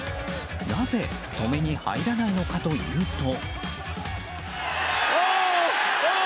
なぜ止めに入らないのかというと。